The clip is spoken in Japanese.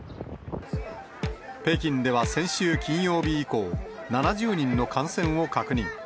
北京では先週金曜日以降、７０人の感染を確認。